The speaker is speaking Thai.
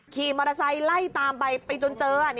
ขี่มอเตอร์ไซค์ไล่ตามไปไปจนเจอ